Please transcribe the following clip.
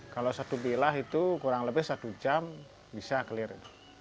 kalau satu bilah itu kurang lebih satu jam bisa clear